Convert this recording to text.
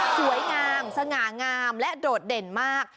สวยงามสง่างามและโดดเด่นมาก